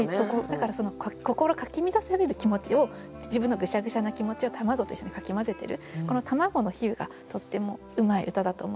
だからその心かき乱される気持ちを自分のぐしゃぐしゃな気持ちを卵と一緒にかき混ぜてるこの卵の比喩がとってもうまい歌だと思います。